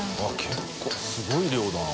△結構すごい量だな